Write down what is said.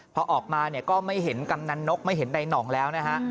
พอออกมาเนี่ยก็ไม่เห็นกำนันนกไม่เห็นในหน่องแล้วนะฮะ